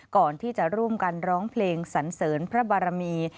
ก่อนที่จะร่วมกันร้องเพลงสันเสริญพระบารมี